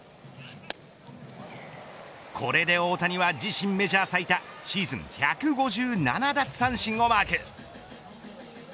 これで大谷は自身メジャー最多シーズン１５７奪三振をマーク。